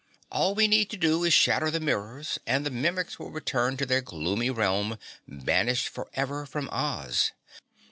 "All we need to do is shatter the mirrors and the Mimics will return to their gloomy realm, banished forever from Oz."